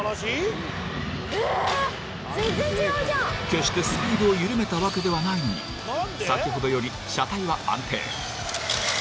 決してスピードを緩めたわけではないのに先ほどより車体は安定。